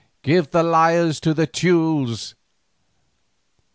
"Give the liars to the Teules."